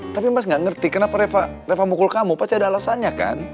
tapi mas gak ngerti kenapa reva mukul kamu pasti ada alasannya kan